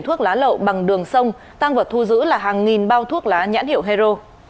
thuốc lá lậu bằng đường sông tăng vật thu giữ là hàng nghìn bao thuốc lá nhãn hiệu hero